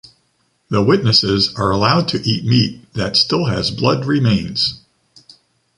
The witnesses are allowed to eat meat that still has blood remains.